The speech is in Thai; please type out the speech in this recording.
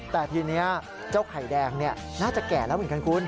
แต่ทีนี้เจ้าไข่แดงน่าจะแก่แล้วเหมือนกันคุณ